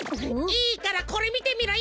いいからこれみてみろよ！